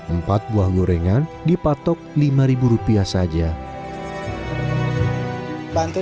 empat buah gorengan dipatok ke dalam kursi